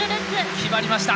決まりました！